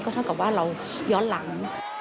เท่ากับว่าเราย้อนหลัง